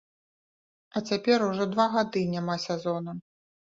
А цяпер ужо два гады няма сезона.